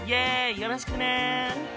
よろしくね！